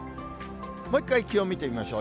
もう１回、気温見てみましょう。